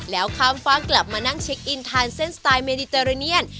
แล้วข้ามฟากกลับมานั่งเช็คอินทานเส้นสไตล์เมดิเตอเรเนียน